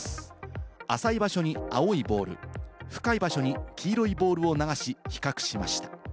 浅い場所に青いボール、深い場所に黄色いボールを流し、比較しました。